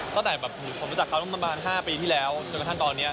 ตั้งแต่แบบผมรู้จักเขาประมาณ๕ปีที่แล้วจนกระทั่งตอนนี้